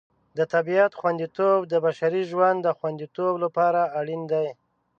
د طبیعت خوندیتوب د بشري ژوند د خوندیتوب لپاره اړین دی.